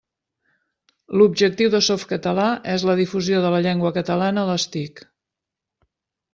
L'objectiu de Softcatalà és la difusió de la llengua catalana a les TIC.